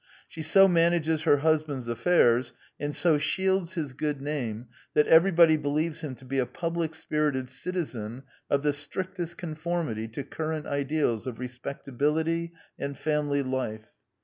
She so manages her husband's affairs and so shields his good name that everybody be lieves him to be a public spirited citizen of the strictest conformity to current ideals of respecta bility and family life.